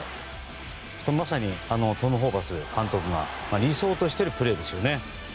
まさにトム・ホーバス監督が理想としているプレーですよね。